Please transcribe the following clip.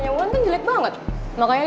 jadi gue ikutan juga